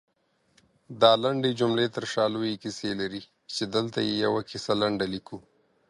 دالنډې جملې ترشا لويې کيسې لري، چې دلته يې يوه کيسه لنډه ليکو